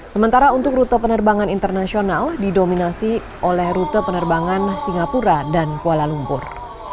sementara untuk rute penerbangan internasional didominasi oleh rute penerbangan singapura dan kuala lumpur